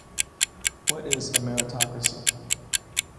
What is a meritocracy?